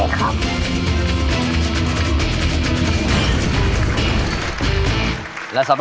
ขีดเอาไว้ว่าเธอไม่รอ